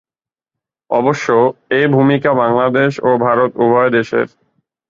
অবশ্য এ ভূমিকা বাংলাদেশ ও ভারত উভয় দেশের।